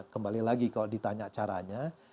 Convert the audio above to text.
kembali lagi kalau ditanya caranya